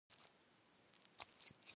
Şşefihet şşuue them khıvitıjj.